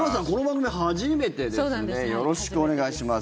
よろしくお願いします。